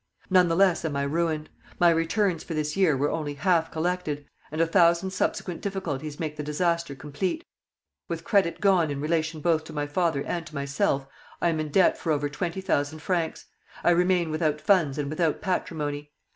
None the less am I ruined. My returns for this year were only half collected, and a thousand subsequent difficulties make the disaster complete; with credit gone in relation both to my father and to myself, I am in debt for over twenty thousand francs; I remain without funds and without patrimony.